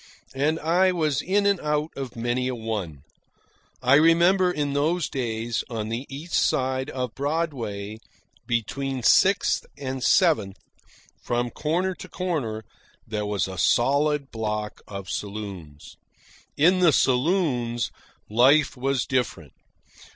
And I was in and out of many a one. I remember, in those days, on the east side of Broadway, between Sixth and Seventh, from corner to corner, there was a solid block of saloons. In the saloons life was different.